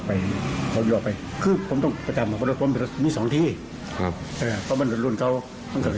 ไปกับหาวิทยาปริยาศูนย์ติกว่าพยาบาล